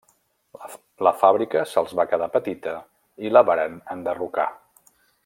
La fàbrica se'ls va quedar petita i la varen enderrocar.